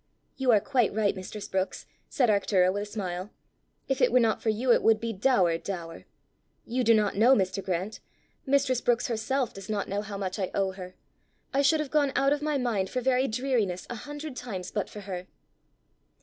"You are quite right, mistress Brookes!" said Arctura with a smile. "If it were not for you it would be dour dour. You do not know, Mr. Grant mistress Brookes herself does not know how much I owe her! I should have gone out of my mind for very dreariness a hundred times but for her."